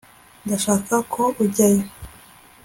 ndashaka ko ujyayo